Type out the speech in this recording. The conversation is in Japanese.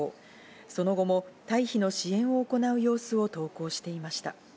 その後も退避の支援を行う様子を投稿していました。